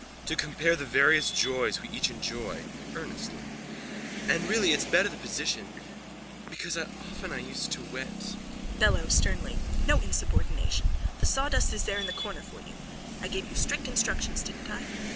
To compare the various joys we each enjoy. (Earnestly.) And really it's better the position... because often I used to wet... BELLO: (Sternly.) No insubordination! The sawdust is there in the corner for you. I gave you strict instructions, didn't I?